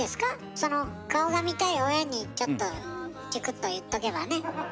その顔が見たい親にちょっとチクッと言っとけばね。